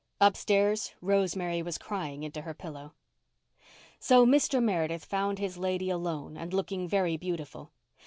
Upstairs Rosemary was crying into her pillow. So Mr. Meredith found his lady alone and looking very beautiful.